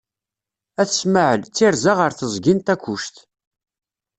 At Smaεel, Ttirza ɣer teẓgi n Takkuct.